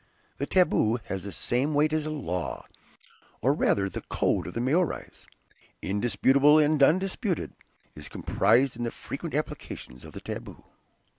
The taboo has the same weight as a law; or rather, the code of the Maories, indisputable and undisputed, is comprised in the frequent applications of the taboo.